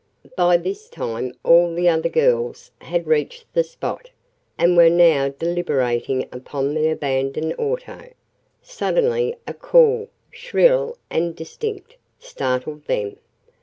By this time all the other girls had reached the spot, and were now deliberating upon the abandoned auto. Suddenly a call shrill and distinct startled them.